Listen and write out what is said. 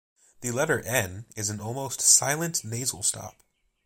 The letter 'n' is an almost silent nasal stop.